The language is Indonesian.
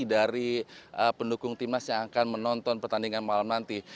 dari pendukung timnas yang akan menonton pertandingan malam nanti